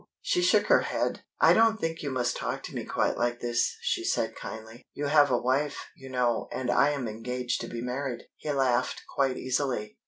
She shook her head. "I don't think you must talk to me quite like this," she said kindly. "You have a wife, you know, and I am engaged to be married." He laughed, quite easily.